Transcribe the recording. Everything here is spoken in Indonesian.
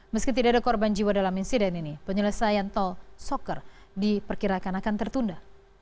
meski tidak ada korban jiwa dalam insiden ini penyelesaian tol soker diperkirakan akan tertunda